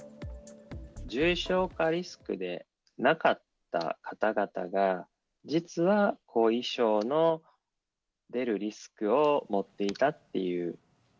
重症化リスクでなかった方々が、実は、後遺症の出るリスクを持っていたっていう。